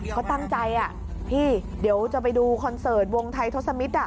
เขาตั้งใจพี่เดี๋ยวจะไปดูคอนเสิร์ตวงไทยทศมิตร